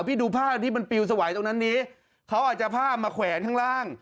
ดูผ้าที่มันปิวสวัยตรงนั้นนี้เขาอาจจะผ้ามาแขวนข้างล่าง